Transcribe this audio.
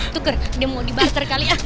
tuker dia mau di barter kali ya